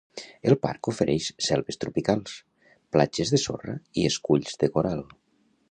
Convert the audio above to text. El parc ofereix selves tropicals, platges de sorra i esculls de coral.